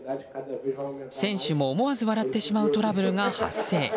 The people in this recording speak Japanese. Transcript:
選手も思わず笑ってしまうトラブルが発生。